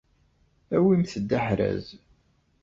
Awimt-d aḥraz.